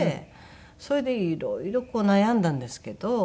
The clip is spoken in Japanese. それで色々悩んだんですけど。